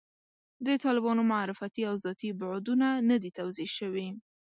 د طالبانو معرفتي او ذاتي بعدونه نه دي توضیح شوي.